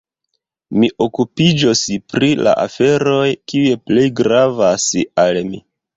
Mi okupiĝos pri la aferoj, kiuj plej gravas al mi.